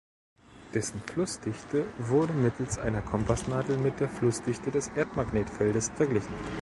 Dessen Flussdichte wurde mittels einer Kompassnadel mit der Flussdichte des Erdmagnetfeldes verglichen.